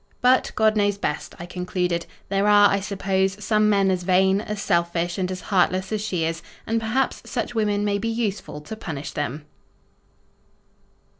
But, God knows best, I concluded. There are, I suppose, some men as vain, as selfish, and as heartless as she is, and, perhaps, such women may be useful to punish them.